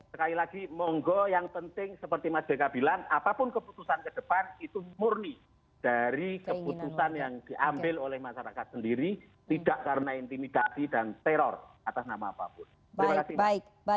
sekali lagi monggo yang penting seperti mas deka bilang apapun keputusan ke depan itu murni dari keputusan yang diambil oleh masyarakat sendiri tidak karena intimidasi dan teror atas nama apapun